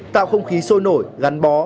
tạo không khí sôi nổi gắn bó